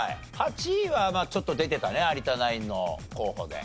８位はちょっと出てたね有田ナインの候補で。